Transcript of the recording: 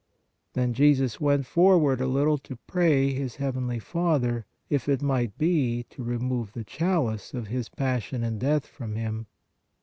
* Then Jesus went forward a little to pray His heav enly Father, "if it might be, ... to remove the chalice " (of His passion and death) from Him.